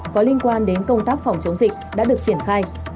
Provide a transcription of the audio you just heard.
có liên quan đến công tác phòng chống dịch đã được triển khai